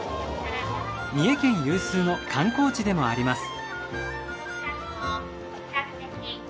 三重県有数の観光地でもあります。